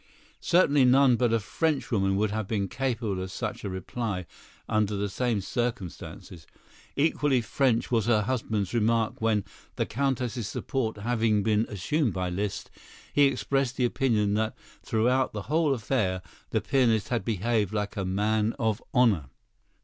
Certainly none but a Frenchwoman would have been capable of such a reply under the same circumstances. Equally French was her husband's remark when, the Countess's support having been assumed by Liszt, he expressed the opinion that throughout the whole affair the pianist had behaved like a man of honor.